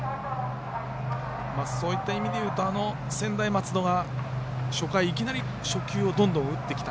そういった意味で言うと専大松戸が初回、いきなり初球をどんどん打ってきた。